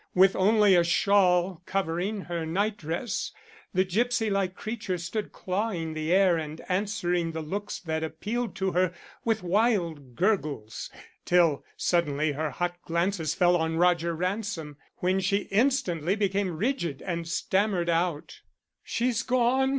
With only a shawl covering her nightdress, the gipsy like creature stood clawing the air and answering the looks that appealed to her, with wild gurgles, till suddenly her hot glances fell on Roger Ransom, when she instantly became rigid and stammered out: "She's gone!